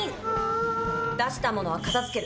出したものは片づける。